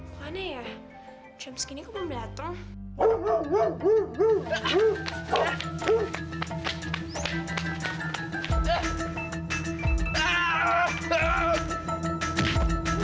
mana ya jam segini kok belum datang